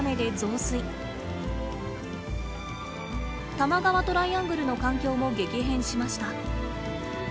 多摩川トライアングルの環境も激変しました。